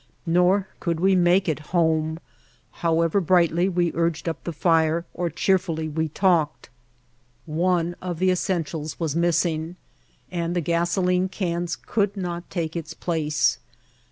Nor could we make it home, however brightly we urged up the fire or cheerfully we talked. One of the essentials was missing and the gasoline cans White Heart of Mojave could not take its place.